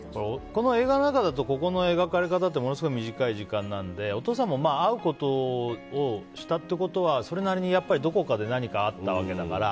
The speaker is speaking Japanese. この映画の中だとここの描かれ方ってものすごく短い時間なのでお父さんも会うことをしたってことはそれなりに、どこかで何かあったわけだから。